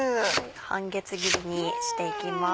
半月切りにしていきます。